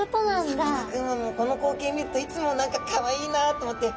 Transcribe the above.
さかなクンはこの光景見るといつも何かかわいいなと思って。